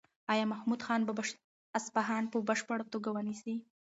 ایا محمود خان به اصفهان په بشپړه توګه ونیسي؟